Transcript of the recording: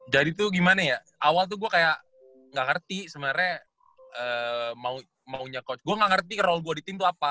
jadi tuh gimana ya awal tuh gua kayak gak ngerti sebenarnya maunya coach gua gak ngerti role gua di team tuh apa